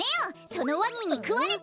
そのワニにくわれて！